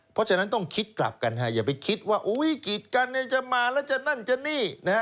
เพราะฉะนั้นต้องคิดกลับกันอย่าไปคิดว่ากิจกันจะมาแล้วจะนั่นจะนี่นะฮะ